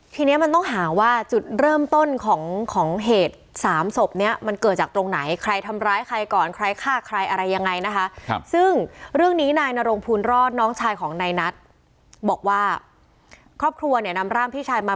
ทีนี้มันต้องหาว่าจุดเริ่มต้นของของเหตุสามศพเนี้ยมันเกิดจากตรงไหนใครทำร้ายใครก่อนใครฆ่าใครอะไรยังไงนะคะซึ่งเรื่องนี้นายนรงภูนรอดน้องชายของนายนัทบอกว่าครอบครัวเนี่ยนำร่างพี่ชายมา